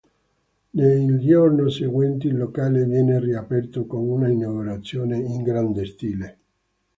Nei giorni seguenti il locale viene riaperto con un'inaugurazione in grande stile.